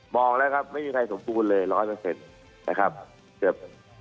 มองแล้วครับไม่มีใครสมบูรณ์เลย๑๐๐